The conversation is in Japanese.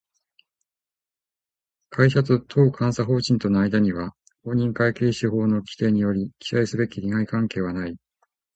会社と当監査法人との間には、公認会計士法の規定により記載すべき利害関係はない